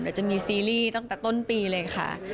เดี๋ยวจะมีซีรีส์ตั้งแต่ต้นปีเลยค่ะ